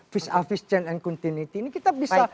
vis a vis berubah dan berkelanjutan kita bisa